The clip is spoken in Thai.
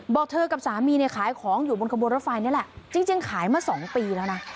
บอกเธอกับสามีเนี่ยขายของอยู่บนกระบวนรถไฟนี่แหละจริงขายมาสองปีแล้วนะ